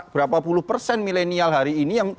berapa puluh persen milenial hari ini